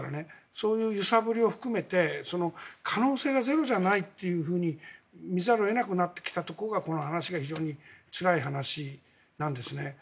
そういう揺さぶりを含めて可能性がゼロじゃないというふうに見ざるを得なくなってきたところがこの話が非常につらい話なんです。